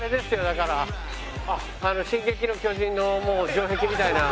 だから『進撃の巨人』の城壁みたいな。